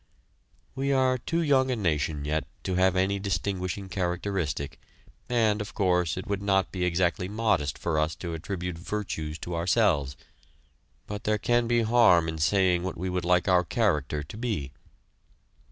We are too young a nation yet to have any distinguishing characteristic and, of course, it would not be exactly modest for us to attribute virtues to ourselves, but there can be harm in saying what we would like our character to be.